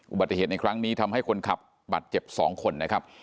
อุบัติเหตุในครั้งนี้ทำให้คนขับบัตรเจ็บ๒คนนะครับ